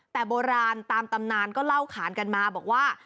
แต่โบราณตามตำนานก็เล่าขานกันมาบอกว่า